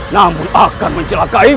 namun akan mencelakai